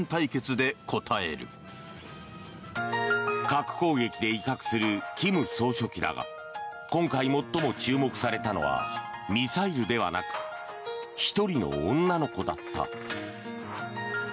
核攻撃で威嚇する金総書記だが今回最も注目されたのはミサイルではなく１人の女の子だった。